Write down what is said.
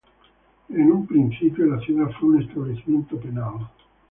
En un principio la ciudad fue un establecimiento penal.